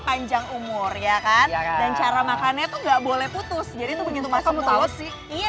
panjang umur ya kan dan cara makannya tuh nggak boleh putus jadi begitu masuk sih iya